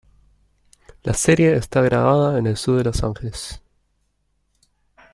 La serie esta grabada en el sud de Los Angeles.